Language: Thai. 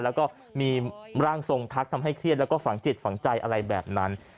แล้วก็มีร่างทรงทักทำให้เครียดแล้วก็ฝังจิตฝังใจอะไรแบบนั้น